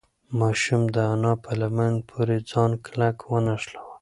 ماشوم د انا په لمن پورې ځان کلک ونښلاوه.